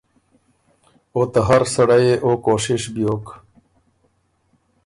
او ته هر سړئ يې او کوشش بیوک